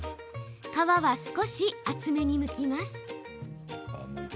皮は少し厚めにむきます。